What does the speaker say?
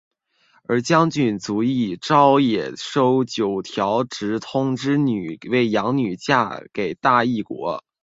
而将军足利义昭也收九条植通之女为养女嫁给大和国另一方势力筒井顺庆作为拉拢。